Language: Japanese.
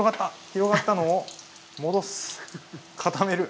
広がったのを戻す固める！